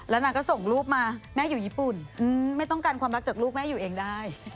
แล้วนางก็ส่งรูปมาแม่อยู่ญี่ปุ่นไม่ต้องการความรักจากลูกแม่อยู่เองได้